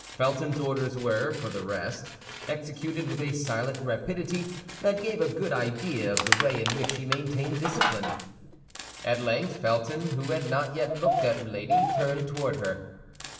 Felton's orders were, for the rest, executed with a silent rapidity that gave a good idea of the way in which he maintained discipline. At length Felton, who had not yet looked at Milady, turned toward her.